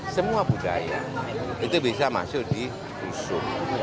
semua budaya itu bisa masuk di busuk